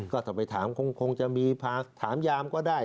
ก็ถ้าไปถามคงจะมีพาถามยามก็ได้